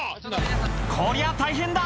こりゃ大変だ！